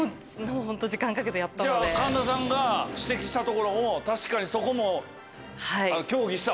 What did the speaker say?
じゃ神田さんが指摘したところも確かにそこも協議した？